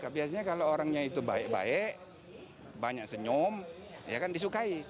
biasanya kalau orangnya itu baik baik banyak senyum disukai